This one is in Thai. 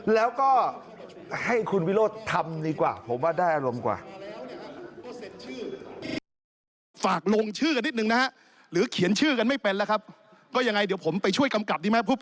แล้วก็ให้คุณวิโรธทำดีกว่าผมว่าได้อารมณ์กว่า